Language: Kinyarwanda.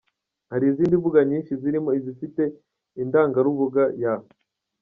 Hari izindi mbuga nyinshi zirimo izifite indangarubuga ya .